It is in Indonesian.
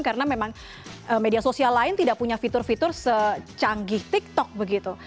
karena memang media sosial lain tidak punya fitur fitur secanggih tiktok begitu